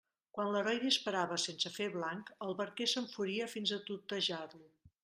Quan l'heroi disparava sense fer blanc, el barquer s'enfuria fins a tutejar-lo.